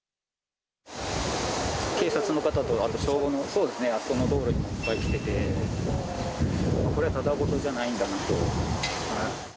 警察の方と、あと消防の、そうですね、あそこの道路にいっぱい来てて、これはただごとじゃないんだなと。